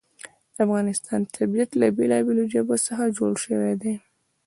د افغانستان طبیعت له بېلابېلو ژبو څخه جوړ شوی دی.